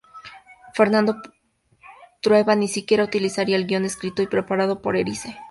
Fernando Trueba ni siquiera utilizaría el guion escrito y preparado por Erice.